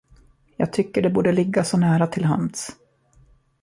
Jag tycker det borde ligga så nära till hands.